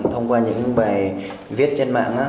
thông qua những bài viết trên mạng